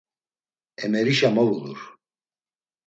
Emerişa movulur.